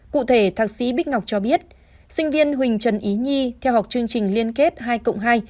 cụ thể thạc sĩ bích ngọc cho biết sinh viên huỳnh trần ý nhi theo học chương trình liên kết hai cộng hai